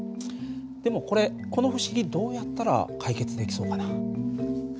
でもこれこの不思議どうやったら解決できそうかな？